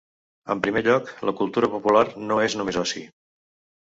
En primer lloc, la cultura popular no és només oci.